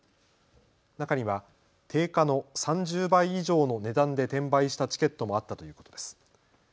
中には定価の３０倍以上の値段で転売したチケットもあったということです。